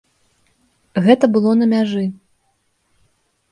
Гэта было на мяжы.